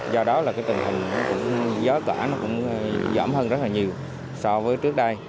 do đó là tình hình gió cỏ cũng giỏm hơn rất là nhiều so với trước đây